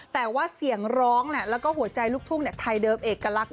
แต่ว่าเสียงร้องเนี่ยแล้วก็หัวใจลูกทุ่งเนี่ยไทเดิร์ฟเอกลักษณ์